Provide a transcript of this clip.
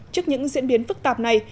trước những diễn biến phức tạp này